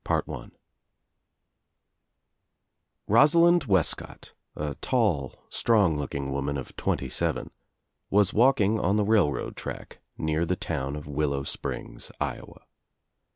roOSALIND WESCOTT* a tall strong looking woman of twenty seven, was walking on the rail road track near the town of Willow Springs, Iowa.